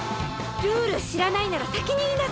ルール知らないなら先に言いなさい！